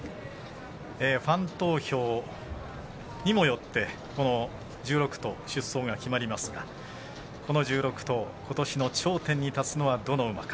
ファン投票にもよって１６頭、出走が決まりますがこの１６頭、ことしの頂点に立つのは、どの馬か。